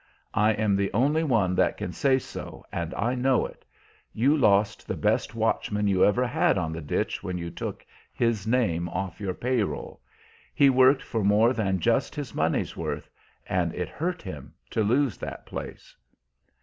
I am the only one that can say so, and I know it. You lost the best watchman you ever had on the ditch when you took his name off your pay roll. He worked for more than just his money's worth, and it hurt him to lose that place."